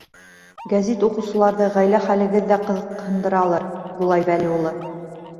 — Гәзит уҡыусыларҙы ғаилә хәлегеҙ ҙә ҡыҙыҡһындыралыр, Юлай Вәли улы.